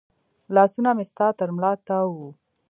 لاسونه مې ستا تر ملا تاو و